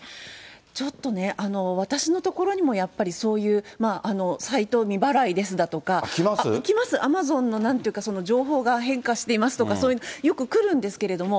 ちょっとね、私のところにもやっぱりそういう、サイト未払いですだとか、来ます、Ａｍａｚｏｎのなんていうか、情報が変化していますとか、よく来るんですけども。